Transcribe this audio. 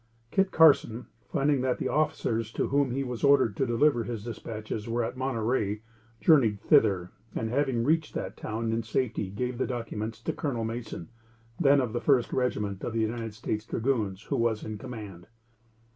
Kit Carson, finding that the officers to whom he was ordered to deliver his dispatches were at Monterey, journeyed thither, and having reached that town in safety, gave the documents to Col. Mason, then of the First Regiment of United States dragoons, who was in command.